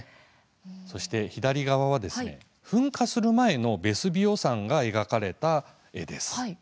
そして、左側は噴火する前のヴェスヴィオ山が描かれた絵です。